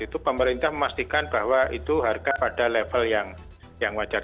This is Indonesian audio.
itu pemerintah memastikan bahwa itu harga pada level yang wajar